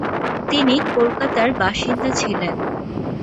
তিনি কলকাতার বাসিন্দা ছিলেন।